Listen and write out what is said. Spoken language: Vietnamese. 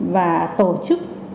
và tổ chức